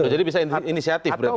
jadi bisa inisiatif berarti